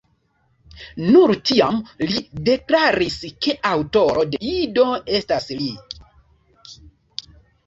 Nur tiam li deklaris, ke aŭtoro de Ido estas li.